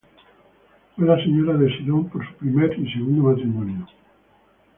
Fue la señora de Sidón por su primer y segundo matrimonio.